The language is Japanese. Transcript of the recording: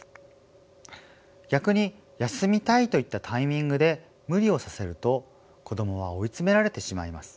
逆に「休みたい」と言ったタイミングで無理をさせると子どもは追い詰められてしまいます。